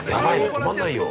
止まんないよ。